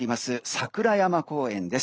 桜山公園です。